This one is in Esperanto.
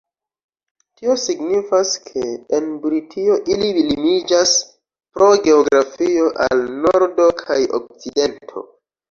Tio signifas ke en Britio ili limiĝas pro geografio al nordo kaj okcidento.